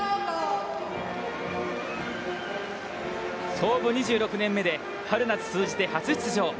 創部２６年目で春夏通じて初出場。